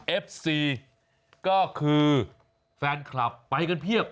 เอฟซีก็คือแฟนคลับไปกันเพียบ